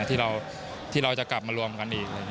ที่เราจะกลับมารวมกันอีก